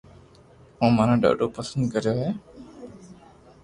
او مني ڌاڌو پسند ڪري ھي